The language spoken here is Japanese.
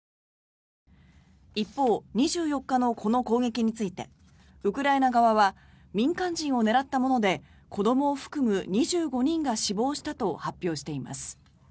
一方、２４日のこの攻撃についてウクライナ側は民間人を狙ったもので子どもを含む２５人が死亡したと発表しています。